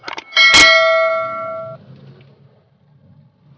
tapi jujur ada hal yang bikin papa senang